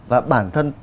và bản thân